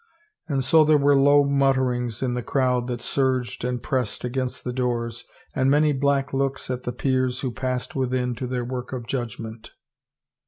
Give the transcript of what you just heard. And so there were low mutter ings in the crowd that surged and pressed against the doors, and many black looks at the peers who passed within to their work of judgment.